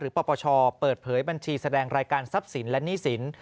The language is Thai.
ปปชเปิดเผยบัญชีแสดงรายการทรัพย์สินและหนี้สิน